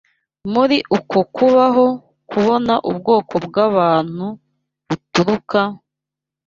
Muri uko Kubaho Kubona Ubwoko bw'abantu buturuka,